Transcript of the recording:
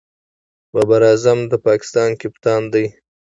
بابر اعظم د پاکستان کپتان دئ.